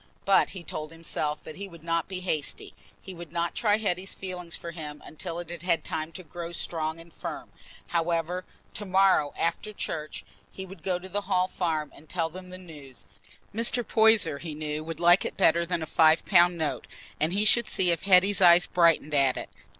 But he told himself that he would not be hasty—he would not try Hetty's feeling for him until it had had time to grow strong and firm. However, tomorrow, after church, he would go to the Hall Farm and tell them the news. Mr. Poyser, he knew, would like it better than a five pound note, and he should see if Hetty's eyes brightened at it.